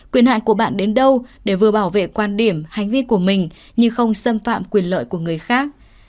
quyền hạn của bạn đến đâu để vừa bảo vệ quan điểm hành vi của mình như không xâm phạm quyền lợi của người khác